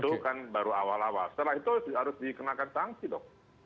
itu kan baru awal awal setelah itu harus dikenakan sanksi dong